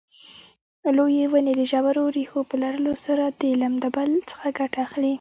لویې ونې د ژورو ریښو په لرلو سره د لمدبل څخه ګټه اخلي.